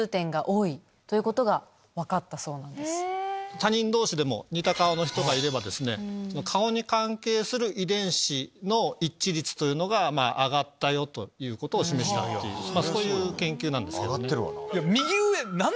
他人同士でも似た顔の人がいれば顔に関係する遺伝子の一致率というのが上がったよということを示したそういう研究なんですけどね。